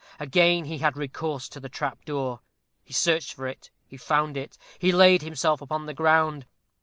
Again he had recourse to the trap door. He searched for it; he found it. He laid himself upon the ground.